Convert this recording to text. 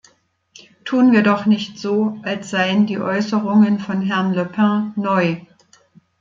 Tun wir doch nicht so, als seien die Äußerungen von Herrn Le Pen neu.